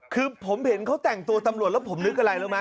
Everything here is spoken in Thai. คือผมเห็นเขาแต่งตัวตำรวจแล้วผมนึกอะไรรู้ไหม